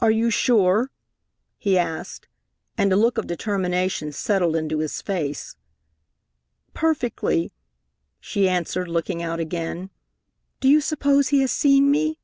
"Are you sure?" he asked, and a look of determination settled into his face. "Perfectly," she answered, looking out again. "Do you suppose he has seen me?"